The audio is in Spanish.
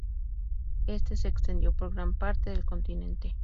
Éste se extendió por gran parte del continente.